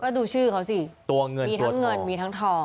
ก็ดูชื่อเขาสิมีทั้งเงินมีทั้งทอง